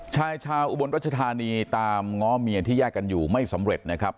ชายชาวอุบลรัชธานีตามง้อเมียที่แยกกันอยู่ไม่สำเร็จนะครับ